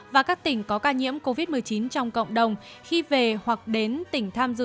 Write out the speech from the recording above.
và các tỉnh có ca nhiễm covid một mươi chín trong cộng đồng khi về hoặc đến tỉnh tham dự